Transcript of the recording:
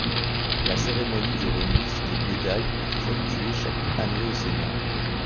La cérémonie de remise des médailles est effectuée chaque année au Sénat.